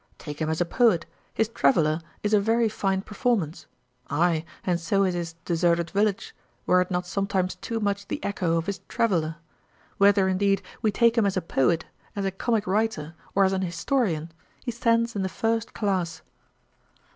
Take him as a poet, his Traveller is a very fine performance; ay, and so is his Deserted Village, were it not sometimes too much the echo of his Traveller. Whether, indeed, we take him as a poet, as a comick writer, or as an historian, he stands in the first class.'